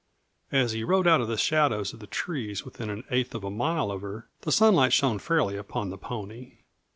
As he rode out of the shadows of the trees within an eighth of a mile of her the sunlight shone fairly upon the pony.